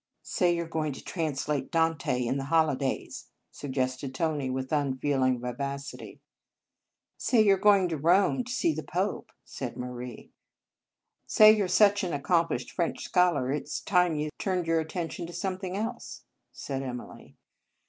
" Say you re going to translate Dante in the holidays," suggested Tony, with unfeeling vivacity, ii In Our Convent Days " Say you re going to Rome, to see the Pope," said Marie. " Say you re such an accomplished French scholar, it s time you turned your attention to something else," said Emily.